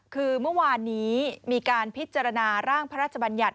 คือเมื่อวานนี้มีการพิจารณาร่างพระราชบัญญัติ